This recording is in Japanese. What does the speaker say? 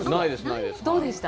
どうでした？